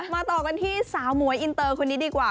ต่อกันที่สาวหมวยอินเตอร์คนนี้ดีกว่า